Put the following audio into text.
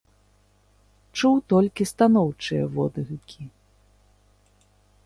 Чуў толькі станоўчыя водгукі!